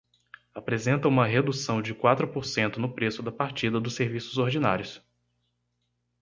Apresenta uma redução de quatro por cento no preço da partida dos serviços ordinários.